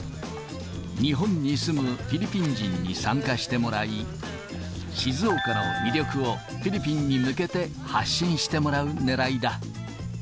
日本に住むフィリピン人に参加してもらい、静岡の魅力を、フィリピンに向けて発信してもらうねらいだ。